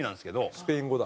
スペイン語だ。